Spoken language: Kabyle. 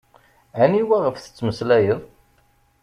Aniwa ɣef tettmeslayeḍ?